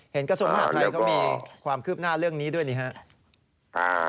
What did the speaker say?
เห็นกระทรวงมหาคลัยมีความคืบหน้าเรื่องนี้ด้วยนะครับ